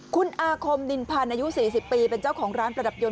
คุณอาคมนินพันธ์อายุ๔๐ปีเป็นเจ้าของร้านประดับยนต